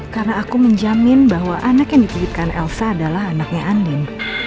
karena aku menjamin bahwa anak yang dituliskan elsa adalah anaknya andin